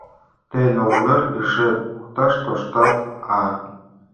— Тый, нолнер, эше покташ тоштат, а?!